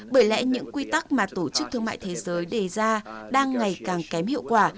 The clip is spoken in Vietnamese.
bởi lẽ những quy tắc mà tổ chức thương mại thế giới đề ra đang ngày càng kém hiệu quả